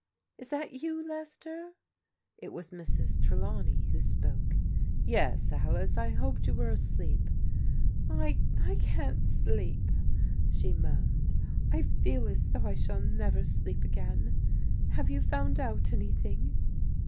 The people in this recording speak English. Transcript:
"Is that you, Lester?" It was Mrs. Trelawney who spoke. " Yes, Alice. I hoped you were asleep." " I — ^I can't sleep," she moaned. " I feel as though I shall never sleep again. Have you found out any thing?"